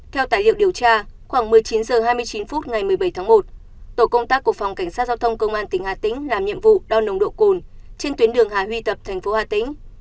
theo tài liệu điều tra khoảng một mươi chín h hai mươi chín phút ngày một mươi bảy tháng một tổ công tác của phòng cảnh sát giao thông công an tỉnh hà tĩnh làm nhiệm vụ đo nồng độ cồn trên tuyến đường hà huy tập thành phố hà tĩnh